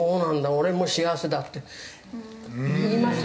俺も幸せだ”って言いましたよね？」